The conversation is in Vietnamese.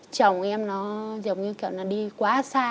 chồng của em nó giống như kiểu đi quá xa